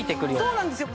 そうなんですよ。